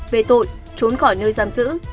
về tội trốn khỏi nơi giam giữ